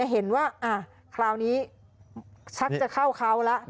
เห็นว่าคราวนี้ชักจะเข้าเขาแล้ว